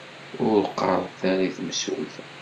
Ur ɣɣaret ara i temsulta.